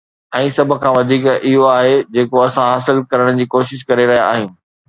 ۽ سڀ کان وڌيڪ، اهو آهي جيڪو اسان حاصل ڪرڻ جي ڪوشش ڪري رهيا آهيون